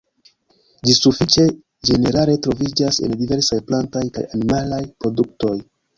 Ĝi sufiĉe ĝenerale troviĝas en diversaj plantaj kaj animalaj produktoj.